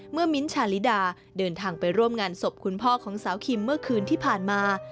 มิ้นท์ชาลิดาเดินทางไปร่วมงานศพคุณพ่อของสาวคิมเมื่อคืนที่ผ่านมา